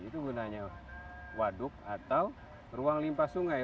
itu gunanya waduk atau ruang limpah sungai